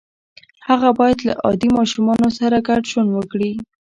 هغه باید له عادي ماشومانو سره ګډ ژوند وکړي